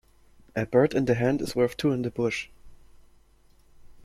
A bird in the hand is worth two in the bush.